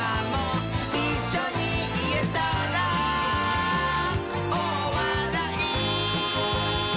「いっしょにいえたら」「おおわらい」